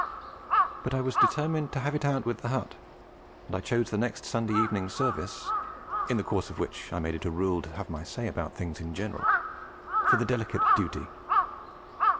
But I was determined to have it out with the hut; and I chose the next Sunday evening service, in the course of which I made it a rule to have my say about things in general, for the delicate duty.